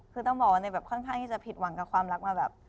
คือต้องบอกว่าในแบบค่อนข้างที่จะผิดหวังกับความรักมาแบบ